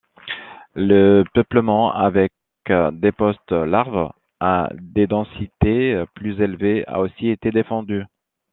Le peuplement avec des post-larves à des densités plus élevées a aussi été défendu.